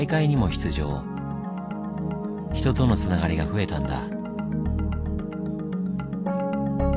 人とのつながりが増えたんだ。